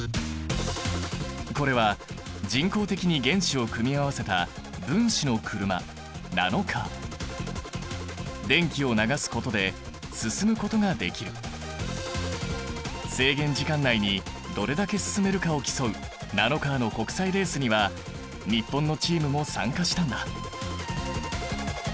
これは人工的に原子を組み合わせた分子の車制限時間内にどれだけ進めるかを競うナノカーの国際レースには日本のチームも参加したんだ。